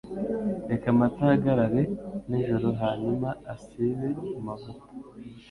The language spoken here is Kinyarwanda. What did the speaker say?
Reka amata ahagarare nijoro hanyuma asibe amavuta.